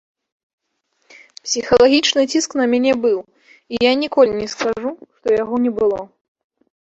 Псіхалагічны ціск на мяне быў і я ніколі не скажу, што яго не было.